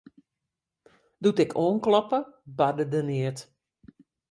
Doe't ik oankloppe, barde der neat.